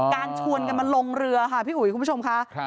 ชวนกันมาลงเรือค่ะพี่อุ๋ยคุณผู้ชมค่ะ